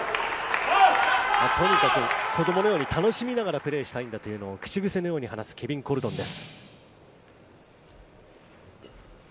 とにかく子供のように楽しみながらプレーしたいんだと口癖のように話すケビン・コルドンです。